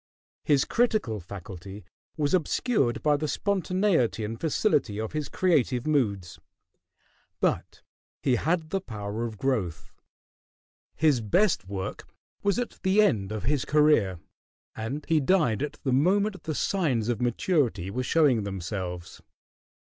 His critical faculty was obscured by the spontaneity and facility of his creative moods; but he had the power of growth. His best work was at the end of his career, and he died at the moment the signs of maturity were showing themselves.